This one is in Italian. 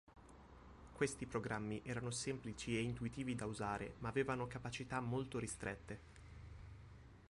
Questi programmi erano semplici e intuitivi da usare, ma avevano capacità molto ristrette.